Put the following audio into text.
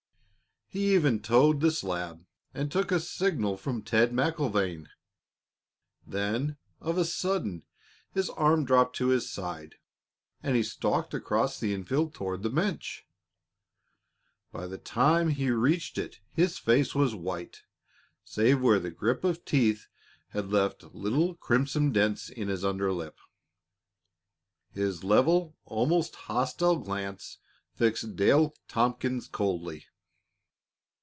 He even toed the slab and took a signal from Ted MacIlvaine. Then, of a sudden, his arm dropped to his side, and he stalked across the infield toward the bench. By the time he reached it his face was white, save where the grip of teeth had left little crimson dents in his under lip. His level, almost hostile, glance fixed Dale Tompkins coldly.